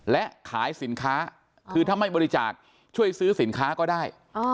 และขายสินค้าคือถ้าไม่บริจาคช่วยซื้อสินค้าก็ได้